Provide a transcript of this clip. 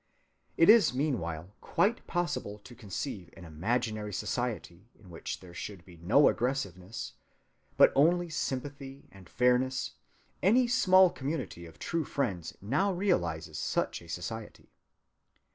It is meanwhile quite possible to conceive an imaginary society in which there should be no aggressiveness, but only sympathy and fairness,—any small community of true friends now realizes such a society.